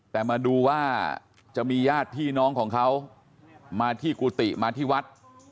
แต่มาดูว่าจะมีญาติพี่น้องของเขามาที่กุฏิมาที่วัด